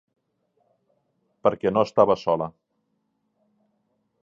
Perquè no estava sola.